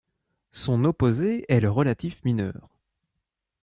Son opposé est le relatif mineur.